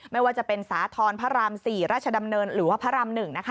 ไม่ว่าจะเป็นสาธรณ์พระราม๔ราชดำเนินหรือว่าพระราม๑